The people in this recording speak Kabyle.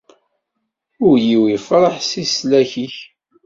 Ul-iw ifreḥ s leslak-ik.